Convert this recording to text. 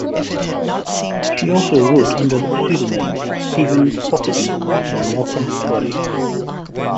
She also wrote under the pseudonyms Stephen Hockaby and Malcolm Torrie.